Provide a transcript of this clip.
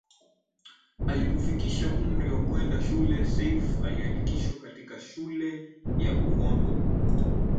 Alipofikisha umri wa kwenda shule Seif aliandikishwa katika Shule ya Uondwe